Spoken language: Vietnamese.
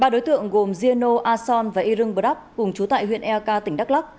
ba đối tượng gồm giê nô a son và y rưng bờ đắp cùng chú tại huyện e a ca tỉnh đắk lắc